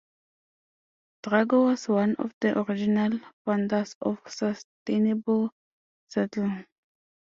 Drago was one of the original founders of Sustainable Seattle.